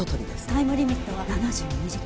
タイムリミットは７２時間。